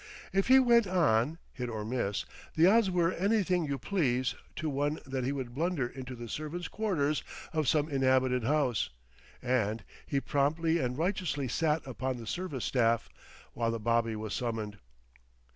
If he went on, hit or miss, the odds were anything you please to one that he would blunder into the servant's quarters of some inhabited house, and be promptly and righteously sat upon by the service staff, while the bobby was summoned.